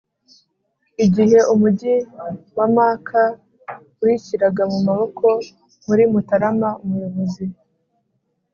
igihe umugi wa maka wishyiraga mu maboko muri mutarama umuyobozi.